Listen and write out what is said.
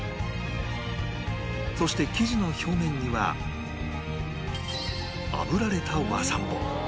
そして生地の表面には炙られた和三盆